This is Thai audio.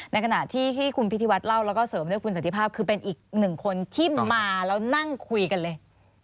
ในขณะที่ที่คุณพิธีวัฒน์เล่าแล้วก็เสริมด้วยคุณสันติภาพคือเป็นอีกหนึ่งคนที่มาแล้วนั่งคุยกันเลย